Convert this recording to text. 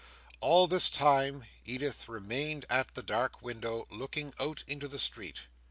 All this time, Edith remained at the dark window looking out into the street.